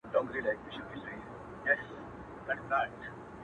کلونه کیږي د ځنګله پر څنډه،